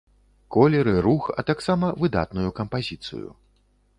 Колеры, рух, а таксама выдатную кампазіцыю.